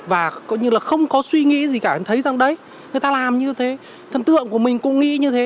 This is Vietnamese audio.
và như là không có suy nghĩ gì cả thấy rằng đấy người ta làm như thế thần tượng của mình cũng nghĩ như thế